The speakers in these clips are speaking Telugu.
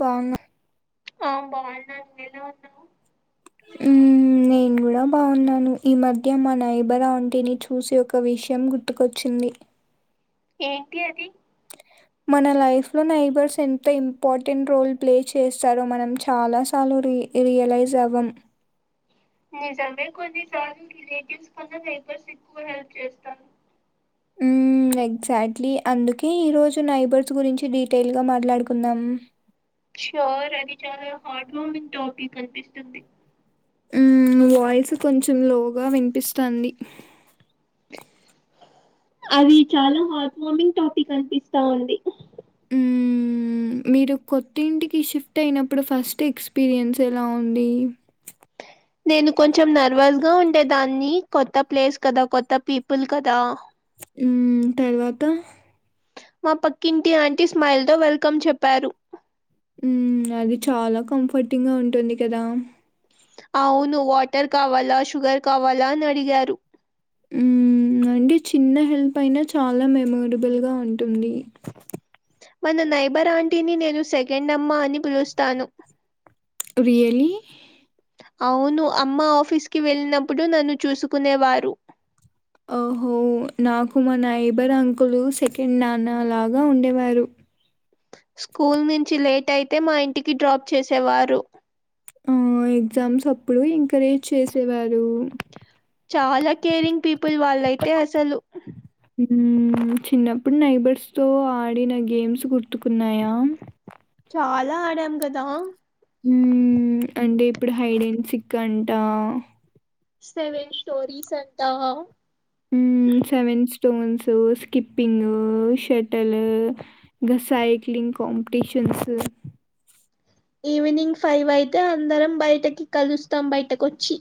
బాగున్న ఆ బాగున్న నువ్వు ఎలా ఉన్నావు ఉమ్ నేను కూడా బాగున్నాను ఈ మధ్య మా నైబర్ ఆంటీ ని చూసి ఒక విషయం గుర్తుకొచ్చింది ఏంటి అది మన లైఫ్ లో నైబర్స్ ఎంత ఇంపార్టెంట్ రోల్ ప్లే చేస్తారో మనం చాలా సార్లు రియలైస్ అవ్వం నిజమే కొన్నిసార్ లేడిస్ కొంచెం నేబర్స్ ఎక్కువ హెల్ప్ చేస్తారు ఉం ఎగ్జాక్ట్లీ అందుకే ఈ రోజు నైబర్స్ గురించి డీటెయిల్ గా మాట్లాడుకుందాం షోరు అది చాలా హార్డ్ వార్మింగ్ టాపిక్ అనిపిస్తుంది వాయిస్ కొంచెం లోగా వినిపిస్తుంది అది చాలా హాట్ వార్మింగ్ టాపిక్ అనిపిస్తా ఉంది మ్మ్ మీరు కొత్త ఇంటికి షిఫ్ట్ అయినప్పుడు ఫస్ట్ ఎక్స్పీరియన్స్ ఎలా ఉంది నేను కొంచెం నర్వస్ గా ఉండేదాన్ని కొత్త ప్లేస్ కదా కొత్త పీపుల్ కదా మ్మ్ తర్వాత మా పక్కింటి ఆంటీ స్మైల్ తో వెల్కమ్ చెప్పారు మ్మ్ అది చాలా కంఫర్టింగ్ గా ఉంటుంది కదా అవును వాటర్ కావాలా షుగర్ కావాలా అని అడిగారు ఉం అంటే చిన్న హెల్ప్ అయినా చాలా మెమోరబుల్గా ఉంటుంది మన నైబర్ ఆంటీని నేను సెకండ్ అమ్మ అని పిలుస్తాను రియల్లీ అవును అమ్మ ఆఫీస్ కి వెళ్ళినప్పుడు నన్ను చూసుకునేవారు హో నాకు మా నైబర్ అంకులు సెకండ్ నాన్న లాగా ఉండేవారు స్కూల్ నుంచి లేట్ అయితే మా ఇంటికి డ్రాప్ చేసేవారు ఆ ఎగ్జామ్స్ అప్పుడు ఎంకరేజ్ చేసేవారు చాలా కేరింగ్ పీపుల్ వాళ్ళయితే అసలు చిన్నప్పుడు నైబర్స్ తో ఆడిన గేమ్స్ గుర్ కున్నాయ ఎలా ఆడాం కదా మ్మ్ అంటే ఇప్పుడు హైడెన్సిక్ అంటా సెవెన్ స్టోరీస్ అంటా మ్మ్ సెవెన్స్ స్టోన్స్ స్కిప్పింగ్ షటలు గ సైక్లింగ్ కాంపిటిషన్ అస్ ఈవినింగ్ ఫైవ్ అయితే అందరం బయటకి కలుస్తాం బయటకొచ్చి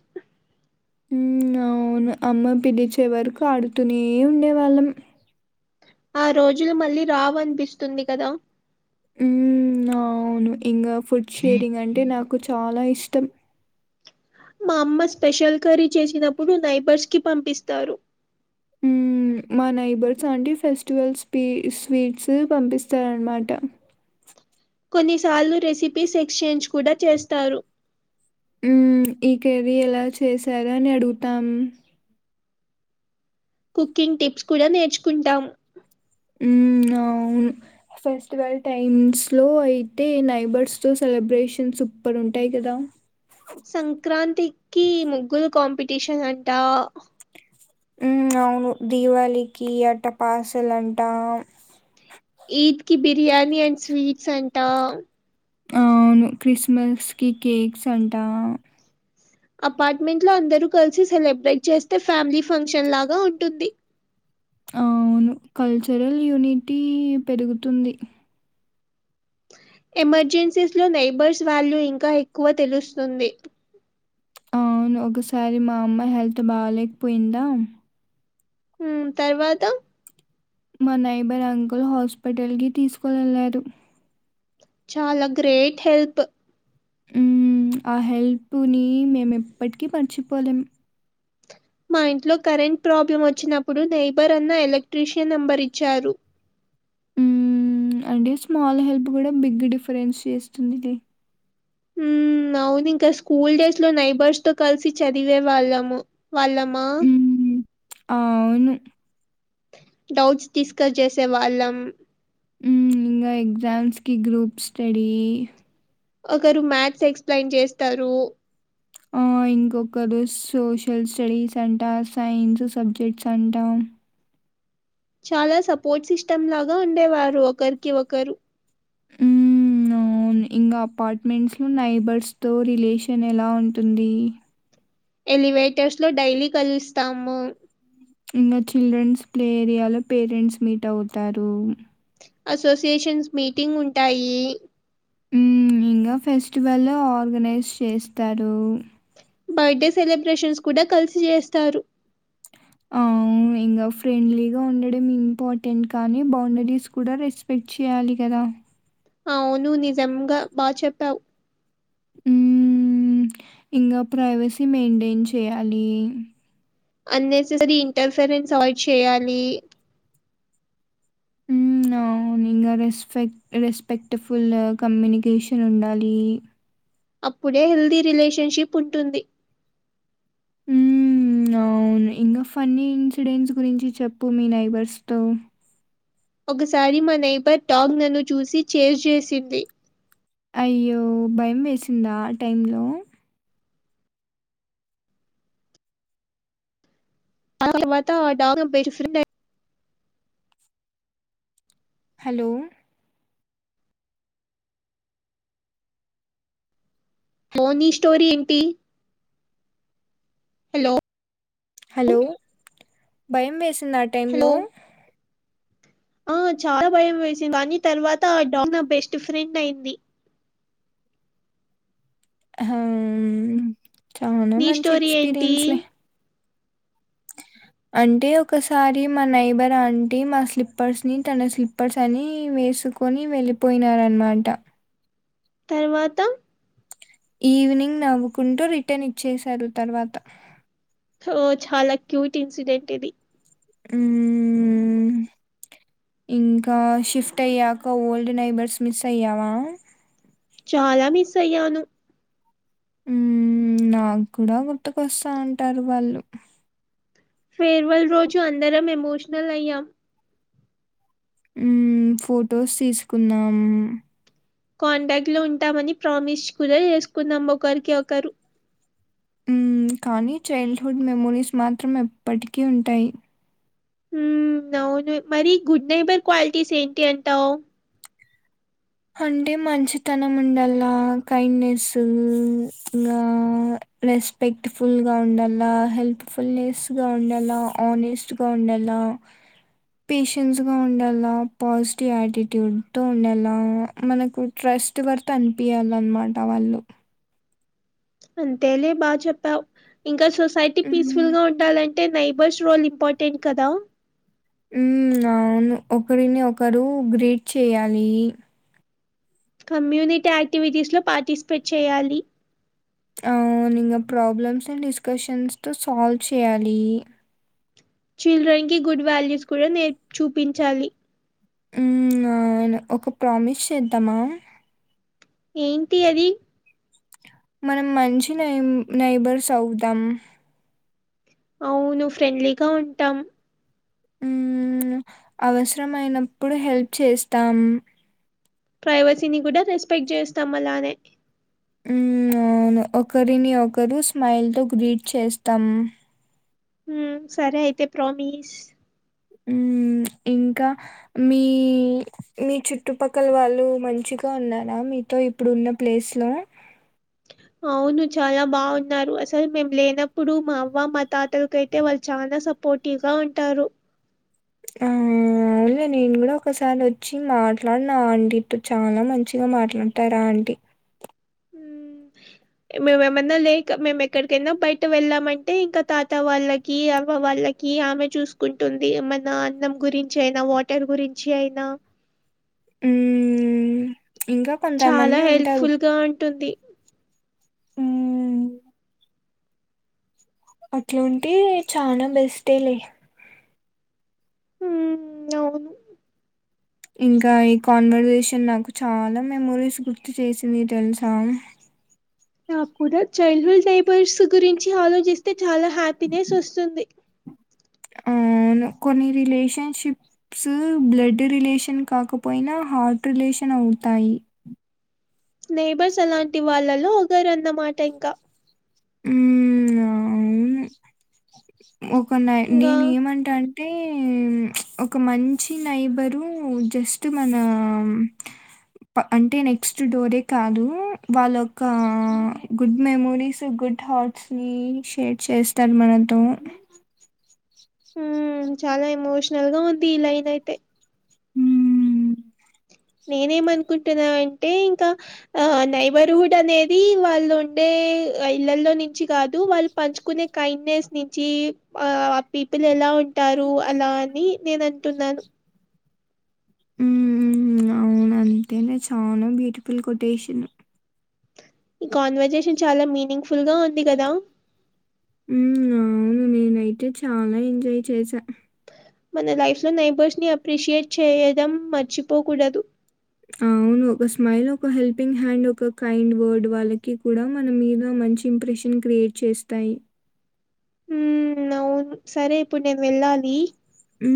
మ్మ్ అవును అమ్మ పిలిచే వరకు ఆడుతూనే ఉండేవాళ్ళం ఆ రోజులు మళ్ళీ రావనిపిస్తుంది కదా మ్మ్ అవును ఇంకా ఫుడ్ షేరింగ్ అంటే నాకు చాలా ఇష్టం మా అమ్మ స్పెషల్ కర్రీ చేసీతప్పుడు నైబర్స్ కి పంపిస్తారు మ్మ్ మా నైబర్స్ ఆంటీ ఫెస్టివల్స్ కి స్వీట్స్ పంపిస్తారనమాట కొన్నిసార్లు రెసిపీస్ ఎక్స్చేంజ్ కూడా చేస్తారు మ్మ్ ఈ కర్రీ ఎలా చేశార అని అడుగుతాం కుకింగ్ టిప్స్ కూడా నేర్చుకుంటాం మ్మ్ అవును ఫెస్టివల్ టైమ్స్లో అయితే నైబర్స్తో సెలబ్రేషన్స్ సూపర్ ఉంటాయి కదా సంక్రాంతికి ముగ్గులు కాంపిటీషన్ అంటా మ్మ్ అవును దీవాళికి అట్ట పాసలు అంటా ఈద్ కి బిర్యానీ అండ్ స్వీట్స్ అంటా అవును క్రిస్మస్ కి కేక్స్ అంటా అపార్ట్మెంట్ లో అందరు కలిసి సెలబ్రేట్ చేస్తే ఫ్యామిలీ ఫంక్షన్ లాగా ఉంటుంది ఆ అవును కల్చరల్ యూనిటీ పెరుగుతుంది ఎమర్జెన్సీస్ లో నైబర్స్ వాల్యూ ఇంకా ఎక్కువ తెలుస్తుంది ఆ అవును ఒకసారి మా అమ్మ హెల్త్ బాలేక్ పోయిందా మ్మ్ తర్వాత మా నైబర్ అంకుల్ హాస్పిటల్ కి తీసుకొని వెెళ్లాడు చాలా గ్రేట్ హెల్ప్ ఆ హెల్ప్ ని మేము ఎప్పటికీ మరచిపోలేం మా ఇంట్లో కరెంట్ ప్రాబ్లం వచ్చినప్పుడు నైబర్ అన్న ఎలక్ట్రీషియన్ నంబర్ ఇచ్చారు హ్మ్. అంటే స్మాల్ హెల్ప్ కూడా బిగ్ డిఫరెన్స్ చేస్తుంది ఇది మ్మ్ అవునింకా స్కూల్ డేస్ లో నైబర్స్ తో కలిసి చదివే వాళ్ళము వాళ్ళము మా ఆవును డౌట్స్ డిస్కస్ చేసే వాళ్ళం మ్మ్ ఇంగ ఎగజామ్స్కి గ్రూప్ స్టడి ఒకరు మ్యాథ్స్ ఎక్స్ప్లెయిన్ చేస్తారు ఆ ఇంకొకరు సోషల్ స్టడీస్ అంట సైన్స్ సబ్జెక్ట్స్ అంట చాలా సపోర్ట్ సిస్టమ్ లాగా ఉండేవారు ఒకరికి ఒకరు మ్మ్ ఆ అవును ఇంగా అపార్ట్మెంట్స్ లో నైబర్స్ తో రిలేషన్ ఎలా ఉంటుంది ఎలివేటర్స్ లో డైలీ కలుస్తాము ఇంగా చిల్డ్రన్స్ ప్లే ఏరియాలో పేరెంట్స్ మీట్ అవుతారు అసోసియేషన్స్ మీటింగ్ ఉంటాయి ఉమ్ ఇంగా ఫెస్టివల్ ఆర్గనైజ్ చేస్తారు బర్త్డే సెలబ్రేషన్స్ కూడా కలిసి చేస్తారు ఆ ఇంకా ఫ్రెండ్లీగా ఉండడం ఇంపార్టెంట్ కానీ బౌండరీస్ కూడా రెస్పెక్ట్ చేయాలి గదా అవును నిజంగా బా చెప్పావు ఉమ్ ఇంగా ప్రైవసీ మెయింటైన్ చేయాలి అన్ నెసెసరీ ఇంటర్ఫరెన్స్ అవాయిడ్ చేయాలి ఉమ్ అవును ఇంగా రెస్పెక్ట్ రెస్పెక్ట్ఫుల్ కమ్యూనికేషన్ ఉండాలి అప్పుడే హెల్దీ రిలేషన్షిప్ ఉంటుంది ఉమ్ అ అవును ఇంకా ఫన్నీ ఇన్సిడెంట్స్ గురించి చెప్పు మీ నైబర్స్ తో ఒకసారి మా నైబర్ డాగ్ నన్ను చూసి చేజ్ చేసింది అయ్యో భయం వేసిందా ఆ టైమ్ లో అ తర్వాత ఆ డాగ్ బేస్ట్ ఫ్రె హలో మోనీ స్టోరీ ఏంటి హలో హలో భయం వేసిందా ఆ టైం లో హలో ఆ చాలా భయం వేసింది కాని తర్వాత డాగ్ నా బెస్ట్ ఫ్రెండ్ అయింది హామ్ చానా నీ మంచి స్టోరీ ఏంటి? ఎక్స్పీరియన్స్లే అంటే ఒకసారి మా నైబర్ ఆంటీ మా స్లిప్పర్స్ ని తన స్లిప్పర్స్ అని వేసుకొని వెళ్ళిపోయినారన్నమాట తర్వాతా ఈవినింగ్ నవ్వుకుంటూ రిటర్న్ ఇచ్చేసారు తర్వాత ఓ చాలా క్యూట్ ఇన్సిడెంట్ ఇది ఉమ్ ఇంకా షిఫ్ట్ అయ్యాక ఓల్డ్ నైబర్స్ మిస్ అయ్యావా చాలా మిస్ అయ్యాను ఉమ్ నాకు గూడా గుర్తుకొస్తా ఉంటారు వాళ్ళు ఫేర్వల్ రోజు అందరం ఎమోషనల్ అయ్యాం ఉమ్ ఫోటోస్ తీసుకున్నాం కాంటాక్ట్ లో ఉంటామని ప్రామిస్ కూడా చేసుకున్నాం ఒకరికి ఒకరు ఉమ్ కానీ చైల్డ్ హుడ్ మెమోరీస్ మాత్రం ఎప్పటికీ ఉంటాయి ఉమ్ అవును మరి గుడ్ నైబర్ క్వాలిటీస్ ఏంటి అంటావు అంటే మంచితనం ఉండాలా కైండ్నెస్ ఇంగా రెస్పెక్ట్ ఫుల్ గా ఉండాల హెల్ప్ ఫుల్నెస్ గా ఉండాల ఆనెస్ట్ గా ఉండా ల పేషన్స్ గా ఉండాల పాజిటివ్ యాటిట్యూడ్ తో ఉండాల మనకు ట్రస్ట్ వర్త్ అనిపియాలన్నమాట వాళ్ళు అంతేలే బాగా చెప్పావు ఇంకా సొసైటీ పీస్ఫుల్ హ్మ్. గా ఉండాలం టే నైబర్స్ రోల్ ఇంపార్టెంట్ కదా ఉమ్ అవును ఒకరిని ఒకరు గ్రీట్ చేయాలి కమ్యూనిటీ యాక్టివిటీస్లో పార్టిసిపేట్ చేయాలి అవును ఇంగా ప్రాబ్లమ్స్ అండ్ డిస్కషన్స్ తో సాల్వ్ చేయాలి చిల్డ్రన్ కి గుడ్ వాల్యూస్ కూడా నేర్ చూపించాలి ఉమ్ అవును ఒక ప్రామిస్ చేద్దామా ఏంటి అది మనం మంచి నై నైబర్స్ అవుదాం అవును ఫ్రెండ్లీగా ఉంటాం ఉమ్ అవసరం అయినప్పుడు హెల్ప్ చేస్తాం ప్రైవసీని కూడా రెస్పెక్ట్ చేస్తాం అలానే ఉమ్ అవును ఒకరిని ఒకరు స్మైల్ తో గ్రీట్ చేస్తాం ఉ సరే అయితే ప్రోమీస్ ఉమ్ ఇంకా మీ మీ చుట్టుపక్కల వాళ్ళు మంచిగా ఉన్నారా మీ తో ఇప్పుడు ఉన్న ప్లేస్ లో అవును చాలా బాగున్నారు అసలు మేము లేనప్పుడు మా అవ్వ మా తాతలకయితే వాళ్ళు చాలా పోటీగా ఉంటారు ఆ అవులే నేను కూడా ఒకసారి వచ్చి మాట్లాడిన ఆంటితో చాలా మంచిగా మాట్లాడతారు అం టీ మేము ఏమన్నా లేక మేము ఎక్కడికైనా బయట వెళ్ళామంటే ఇంకా తాత వాళ్ళకి ఆ వ్వ వాళ్ళకి ఆమె చూసుకుంటుంది మన అన్నం గురించి అయినా వాటర్ గురించి అయినా ఉమ్ ఇంకా చాలా కొంతమంది ఉంటారు హెల్ప్ఫుల్ గా ఉంటుంది ఉ అట్లుంటే చనా బెస్ట్ లే ఉ అవును ఇంకా ఈ కాన్వర్సేషన్ నాకు చాలా మెమరీస్ గుర్తు చేసింది తెలుసా నా కూడా చైల్డ్హుడ్ డైబర్స్ గురించి ఆలోచిస్తే చాలా హ్యాపీనెస్ వస్తుంది ఆ వును కొన్ని రిలేషన్షిప్స్ బ్లడ్ రిలేషన్ కాకపోయినా హార్ట్ రిలేషన్ ణవుతాయి నైబర్స్ అలాంటి వాళ్ళలో ఒకగారున్నమాట ఇంకా ఉమ్ అవును ఒక న ఇంకా నేను ఏమంటా టే ఒక మంచి నైబరు జస్ట్ మన అంటే నెక్స్ట్ డోరే కాదు వాళ్ళయొక్క గుడ్ మెమొరీస్ గుడ్ హార్ట్స్ ని షేర్ చేస్తారు మనతో ఉ చాలా ఎమోషనల్ గా ఉంది ఈ లైన్ అయితే హ్మ్. నేనేమనుకుంటున్నావంటే ఇంకా ఆ నైబర్హుడ్ అనేది వాళ్ళు ఉండే ఇళ్లల్లో నుంచి కాదు వాళ్ళు పంచుకునే కైండ్నెస్ నుంచి ఆ ఆ పీపుల్ ఎలా ఉంటారు అలా అని నేను అంటున్నాను ఉ అవును అంతేనే చానా బ్యూటిఫుల్ కొటేషన్ ఈ కాన్వర్జేషన్ చాలా మీనింగ్ ఫుల్ గా ఉంది కదా ఉ అవును నేనయితే చాలా ఎంజాయ్ చేసా మన లైఫ్ లో నైబర్స్ ని అప్రిషియేట్ చేయడం మర్చిపోకూడదు అవును ఒక స్మైల్ ఒక హెల్పింగ్ హ్యాండ్ ఒక కైండ్ వర్డ్ వాళ్ళకి కూడా మన మీద మంచి ఇంప్రెషన్ క్రియేట్ చేస్తాయి ఉ అవును సరే ఇప్పుడు నేను వెళ్ళాలి ఉ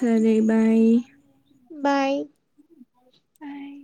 సరే బాయ్ బాయ్ బాయ్